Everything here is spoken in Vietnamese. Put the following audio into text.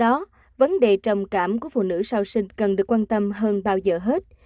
do đó vấn đề trầm cảm của phụ nữ sau sinh cần được quan tâm hơn bao giờ hết